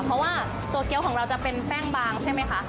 เพราะว่าตัวเกี้ยวของเราจะเป็นแป้งบางใช่ไหมคะ